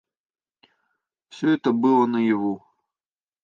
Всё это было наяву.